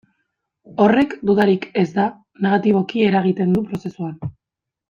Horrek, dudarik ez da, negatiboki eragiten du prozesuan.